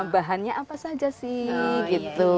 bahannya apa saja sih gitu